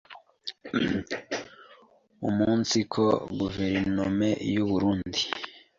umunsiko Guverinome y’u Burunndi